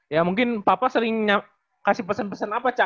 ya mungkin papa sering kasih pesen pesen apa cak